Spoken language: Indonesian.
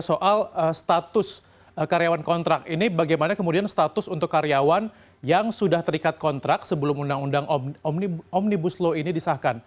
soal status karyawan kontrak ini bagaimana kemudian status untuk karyawan yang sudah terikat kontrak sebelum undang undang omnibus law ini disahkan